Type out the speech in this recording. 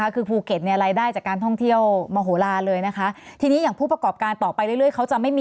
คือภูเก็ตรายได้จากการท่องเที่ยวมาโหลาเลยทีนี้อย่างผู้ประกอบการต่อไปเรื่อย